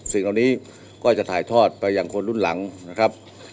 สิ่งเหล่านี้ก็จะถ่ายทอดไปอย่างคนรุ่นหลังนะครับ